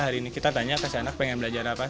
hari ini kita tanya kasih anak pengen belajar apa